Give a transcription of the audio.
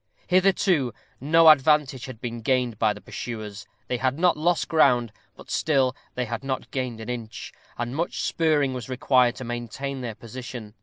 Hitherto no advantage had been gained by the pursuers; they had not lost ground, but still they had not gained an inch, and much spurring was required to maintain their position.